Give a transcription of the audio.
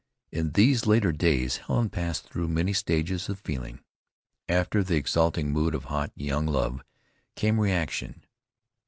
In these later days Helen passed through many stages of feeling. After the exalting mood of hot, young love, came reaction.